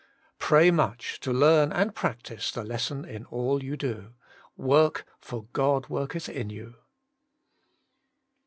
Pray much to learn and practise the lesson in all you do: Work, for God worketh in \ou.